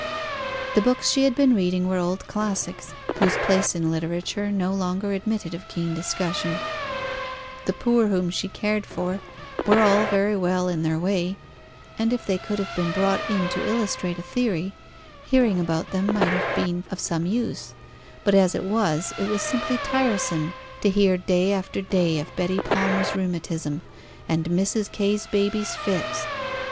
The books she had been reading were old classics, whose place in literature no longer admitted of keen discussion; the poor whom she cared for were all very well in their way; and, if they could have been brought in to illustrate a theory, hearing about them might have been of some use; but, as it was, it was simply tiresome to hear day after day of Betty Palmer's rheumatism and Mrs. Kay's baby's fits.